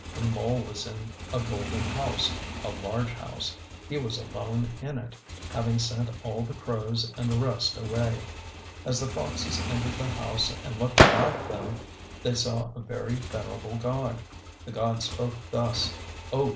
The mole was in a golden house a large house. He was alone in it, having sent all the crows and the rest away. As the foxes entered the house and looked about them, they saw a very venerable god. The god spoke thus: "Oh!